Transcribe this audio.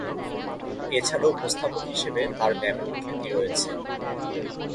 এছাড়াও উপস্থাপক হিসেবে তার ব্যাপক খ্যাতি রয়েছে।